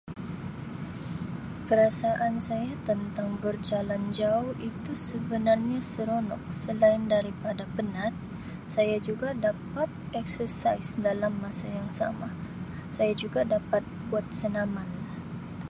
"Perasaan saya tentang berjalan jauh itu sebenarnya seronok selain daripada penat saya juga dapat ""exercise"" dalam masa yang sama saya juga dapat buat senaman."